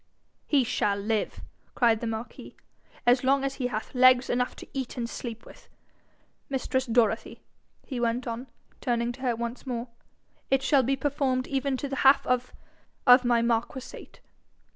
'He shall live,' cried the marquis, 'as long as he hath legs enough to eat and sleep with. Mistress Dorothy,' he went on, turning to her once more, 'what is thy request? It shall be performed even to the half of of my marquisate.'